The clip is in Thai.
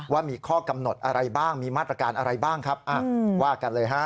ว่ามีข้อกำหนดอะไรบ้างมีมาตรการอะไรบ้างครับว่ากันเลยฮะ